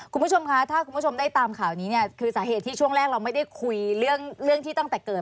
คุณผู้ชมคะถ้าคุณผู้ชมได้ตามข่าวนี้เนี่ยคือสาเหตุที่ช่วงแรกเราไม่ได้คุยเรื่องที่ตั้งแต่เกิด